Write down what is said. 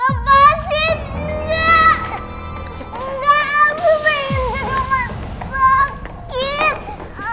enggak aku pengen pergi rumah